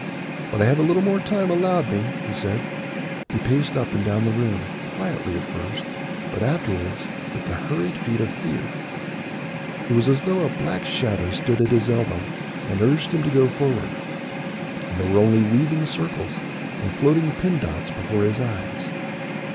"But I have a little more time allowed me," he said. He paced up and down the room, quietly at first, but afterwards with the hurried feet of fear. It was as though a black shadow stood at his elbow and urged him to go forward; and there were only weaving circles and floating pin dots before his eyes.